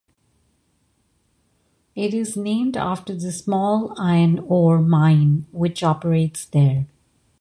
It is named after the small iron ore mine which operates there.